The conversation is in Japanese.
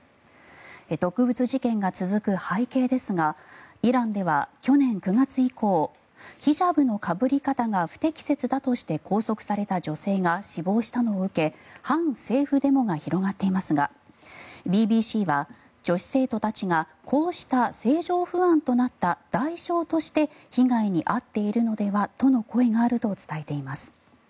毒物事件が続く背景ですがイランでは去年９月以降ヒジャブのかぶり方が不適切だとして拘束された女性が死亡したのを受け反政府デモが広がっていますがＢＢＣは女子生徒たちがこうした政情不安となった代償として被害に遭っているのではとの声があると伝えています。